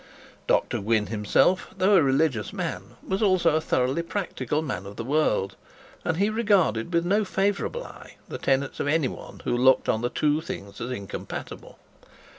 Dr Gwynne himself, though a religious man, was also a thoroughly practical man of the world, and he regarded with no favourable eye the tenets of any one who looked on the two things as incompatible.